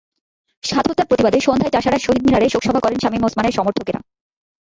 সাত হত্যার প্রতিবাদে সন্ধ্যায় চাষাঢ়ার শহীদ মিনারে শোকসভা করেন শামীম ওসমানের সমর্থকেরা।